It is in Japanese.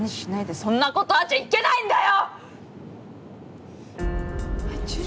そんなことあっちゃいけないんだよ！」。